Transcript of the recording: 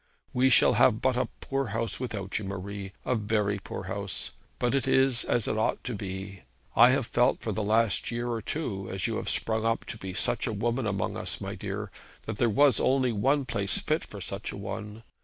'We shall have but a poor house without you, Marie a very poor house. But it is as it ought to be. I have felt for the last year or two, as you have sprung up to be such a woman among us, my dear, that there was only one place fit for such a one.